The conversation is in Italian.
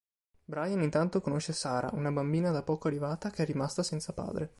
Brian intanto conosce Sara, una bambina da poco arrivata che è rimasta senza padre.